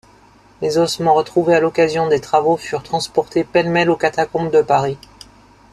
Les ossements retrouvés à l'occasion des travaux furent transportés pêle-mêle aux catacombes de Paris.